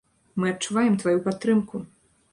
Мы адчуваем тваю падтрымку!